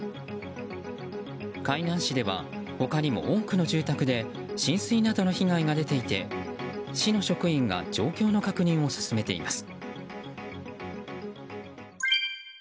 海南市では他にも多くの住宅で浸水などの被害が出ていて市の職員が状況の確認を進めています。